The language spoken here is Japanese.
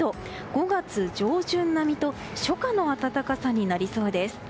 ５月上旬並みと初夏の暖かさになりそうです。